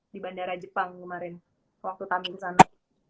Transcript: di bandara jepang kemarin waktu tamu di sana